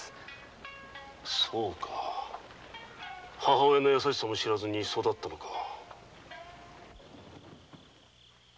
そうか母親の優しさも知らずに育ったのか。